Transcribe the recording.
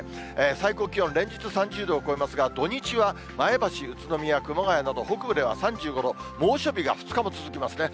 最高気温、連日３０度を超えますが、土日は前橋、宇都宮、熊谷など、北部では３５度、猛暑日が２日も続きますね。